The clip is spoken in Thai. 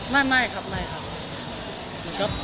ไม่ครับไม่ครับ